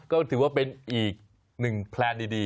ก็ถือว่าเป็นอีกหนึ่งแพลนดี